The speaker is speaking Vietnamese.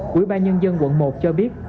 quỹ ban nhân dân quận một cho biết